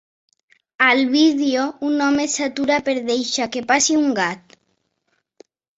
Al vídeo, un home s'atura per deixar que passi un gat.